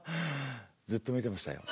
ずっと見てましたよ。